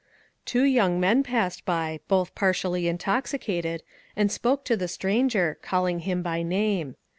Two young men passed by, both partially intoxi cated, and spoke to the stranger, calling him by name.